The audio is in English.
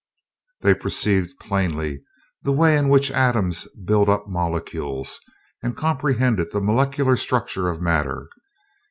They perceived plainly the way in which atoms build up molecules, and comprehended the molecular structure of matter.